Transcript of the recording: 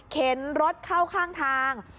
เข็นรถเข้าข้างทาง